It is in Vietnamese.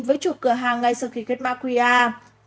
với chủ cửa hàng ngay sau khi kết macriachính